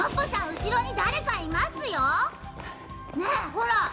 うしろにだれかいますよ。ねえほら。